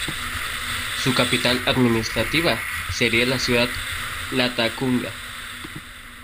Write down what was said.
Su capital administrativa sería la ciudad de Latacunga.